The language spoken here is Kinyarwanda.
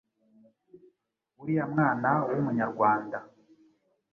uriya mwana w’umunyarwanda